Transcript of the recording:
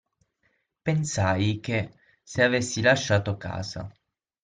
Pensai che se avessi lasciato casa.